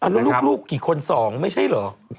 แล้วลูกกี่คน๒ไม่ใช่เหรอ